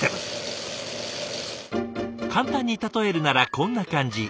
簡単に例えるならこんな感じ。